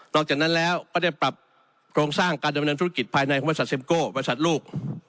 จากนั้นแล้วก็ได้ปรับโครงสร้างการดำเนินธุรกิจภายในของบริษัทเมโก้บริษัทลูก